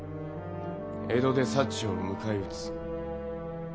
江戸で長を迎え撃つ。